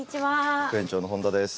副園長の本田です。